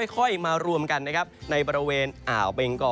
ค่อยมารวมกันนะครับในบริเวณอ่าวเบงกอ